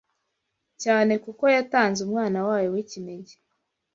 cyane kuko yatanze umwana wayo w’ikinege